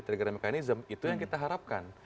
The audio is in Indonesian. trigger mechanism itu yang kita harapkan